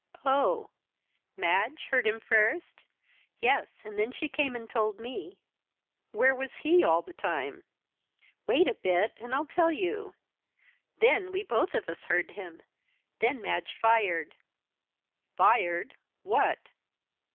"Oh Madge heard him first?" "Yes, and then she came and told me " "Where was he all the time?" "Wait a bit, and I'll tell you. Then we both of us heard him then Madge fired " "Fired? what?"